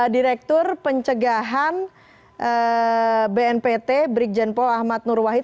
direktur pencegahan bnpt brikjenpo ahmad nurwahid